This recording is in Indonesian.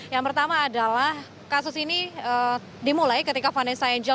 yang pertama adalah kasus ini dimulai ketika vanessa angel